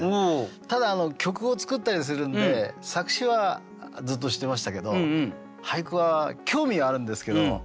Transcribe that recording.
ただ曲を作ったりするんで作詞はずっとしてましたけど俳句は興味はあるんですけど無縁ですね。